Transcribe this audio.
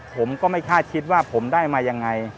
ผมก็ไม่คาดคิดว่าผมได้มายังไง